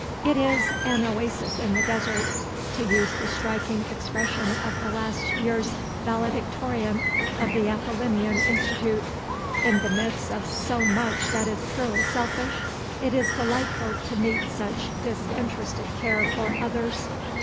It is "an oasis in the desert," to use the striking expression of the last year's "Valedictorian" of the Apollinean Institute. In the midst of so much that is purely selfish, it is delightful to meet such disinterested care for others.